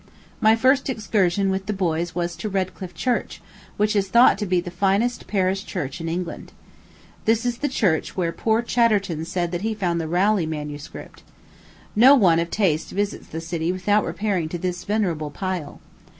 My first excursion with the boys was to Redcliffe Church, which is thought to be the finest parish church in England. This is the church where poor Chatterton said that he found the Rowley MSS. No one of taste visits the city without repairing to this venerable pile.